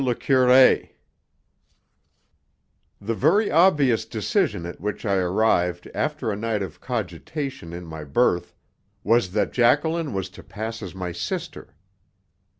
LE CURÉ The very obvious decision at which I arrived after a night of cogitation in my berth was that Jacqueline was to pass as my sister.